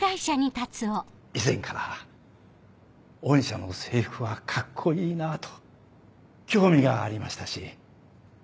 以前から御社の制服はカッコいいなと興味がありましたし。